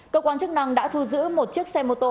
cơ quan chức năng đã thu giữ một chiếc xe mô tô